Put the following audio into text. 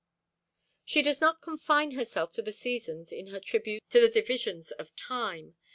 She does not confine herself to the Seasons in her tributes to the divisions of time.